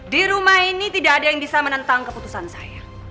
di rumah ini tidak ada yang bisa menentang keputusan saya